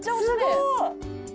すごい！